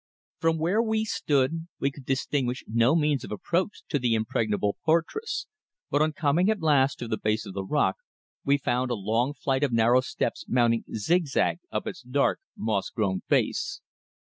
From where we stood we could distinguish no means of approach to the impregnable fortress, but on coming at last to the base of the rock we found a long flight of narrow steps mounting zig zag up its dark, moss grown face.